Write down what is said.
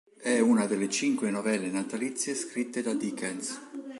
È una delle cinque novelle natalizie scritte da Dickens.